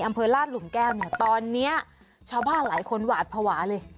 อำเภอลาดหลุมแก้วเนี่ยตอนเนี้ยชาวบ้านหลายคนหวาดภาวะเลย